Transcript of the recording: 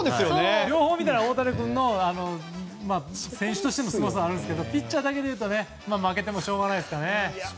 両方見たら大谷君も選手としてのすごさはあるんですけどもピッチャーだけで言うと負けてもしょうがないですね。